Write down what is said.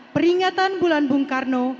peringatan bulan bung karno